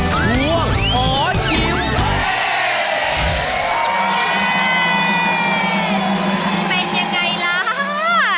เป็นยังไงล่ะ